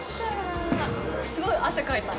すごい汗かいた。